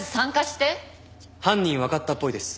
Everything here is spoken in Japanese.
犯人わかったっぽいです